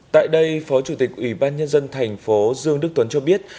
tại đây phó chủ tịch ủy ban nhân dân tp dương đức tuấn cho biết